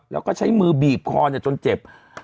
แล้วก็ใช้มือบีบคอจนเจ็บ